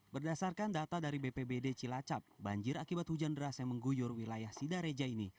berdasarkan data dari bpbd cilacap banjir akibat hujan deras yang mengguyur wilayah sidareja ini